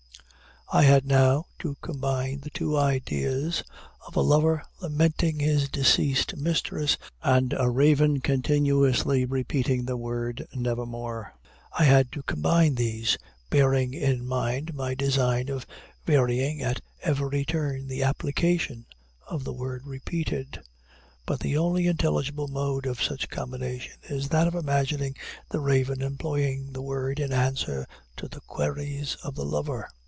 I had now to combine the two ideas, of a lover lamenting his deceased mistress and a Raven continuously repeating the word "Nevermore" I had to combine these, bearing in mind my design of varying, at every turn, the application of the word repeated; but the only intelligible mode of such combination is that of imagining the Raven employing the word in answer to the queries of the lover.